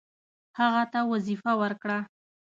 هغه ته وظیفه ورکړه.